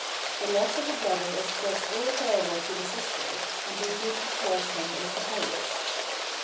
The loss of a brother is thus irreparable to the sister, and her duty towards him is the highest.